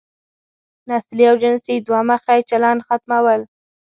نسلي او جنسي دوه مخی چلن ختمول.